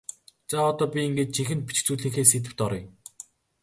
За одоо би ингээд жинхэнэ бичих зүйлийнхээ сэдэвт оръё.